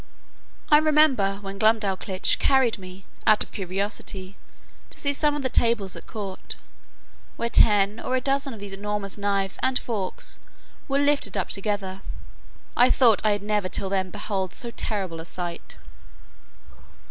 I remember when Glumdalclitch carried me, out of curiosity, to see some of the tables at court, where ten or a dozen of those enormous knives and forks were lifted up together, I thought I had never till then beheld so terrible a sight.